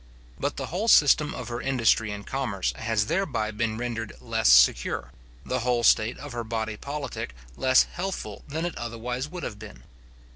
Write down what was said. But the whole system of her industry and commerce has thereby been rendered less secure; the whole state of her body politic less healthful than it otherwise would have been.